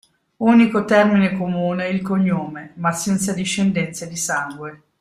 Unico termine comune il cognome, ma senza discendenza di sangue.